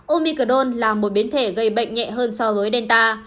omicol là một biến thể gây bệnh nhẹ hơn so với delta